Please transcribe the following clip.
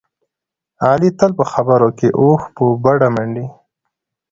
علي تل په خبرو کې اوښ په بډه منډي.